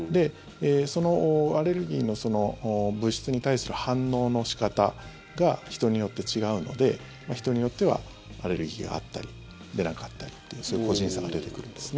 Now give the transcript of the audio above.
そのアレルギーの物質に対する反応の仕方が人によって違うので人によってはアレルギーがあったり出なかったりという個人差が出てくるんですね。